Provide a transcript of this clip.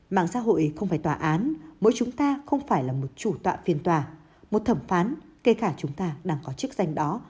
mạng xã hội không phải tòa án mỗi chúng ta không phải là một chủ tọa phiên tòa một thẩm phán kể cả chúng ta đang có chức danh đó